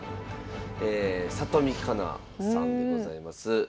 え里見香奈さんでございます。